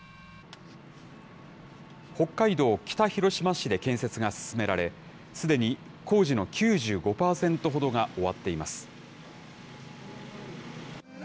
北海道北広島市で建設が進められ、すでに工事の９５％ほどが終わっています。